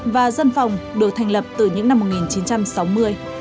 và dân phòng được thành lập từ năm một nghìn chín trăm bốn mươi năm